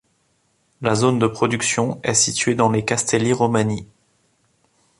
La zone de production est située dans les Castelli Romani.